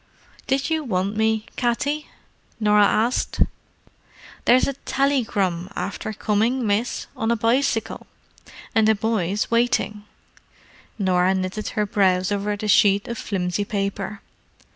"Did you want me, Katty?" Norah asked. "There's a tallygrum after coming, miss, on a bicycle. And the boy's waiting." Norah knitted her brows over the sheet of flimsy paper.